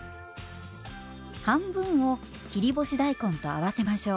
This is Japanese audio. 半分を切り干し大根と合わせましょう。